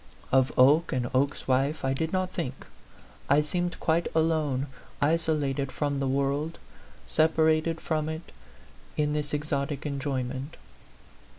Of Oke and Oke's wife I did not think ; I seemed quite alone, isolated from the world, separated from it in this exotic enjoyment.